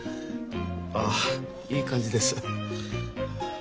ああいい感じです。